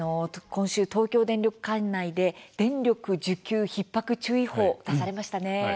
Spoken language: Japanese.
今週、東京電力管内で電力需給ひっ迫注意報出されましたね。